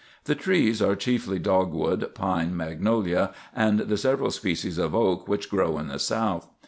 The trees are chiefly dogwood, pine, magnolia, and the several species of oak which grow in the South.